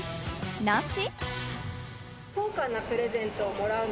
なし？